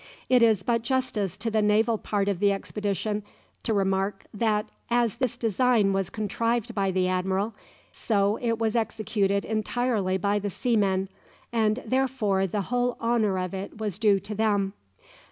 It is but justice to the naval part of the expedition to remark that as this design was contrived by the admiral, so it was executed entirely by the seamen, and therefore the whole honour of it was due to them.